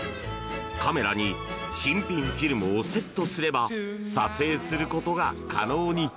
カメラに新品フィルムをセットすれば撮影することが可能に。